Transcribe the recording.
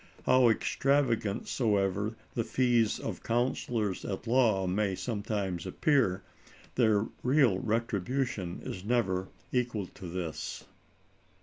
How extravagant soever the fees of counselors at law may sometimes appear, their real retribution is never equal to this.